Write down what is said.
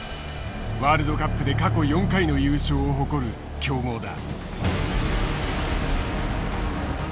ワールドカップで過去４回の優勝を誇る強豪だ。